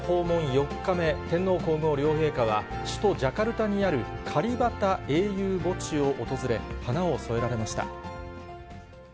４日目、天皇皇后両陛下は、首都ジャカルタにあるカリバタ英雄墓地を訪れ、花をそえられました。